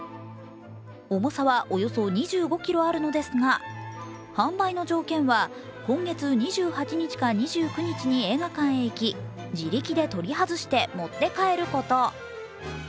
重さはおよそ２５ｋｇあるのですが販売の条件は今月２８日か２９日に映画館へ行き自力で取り外して持って帰ること。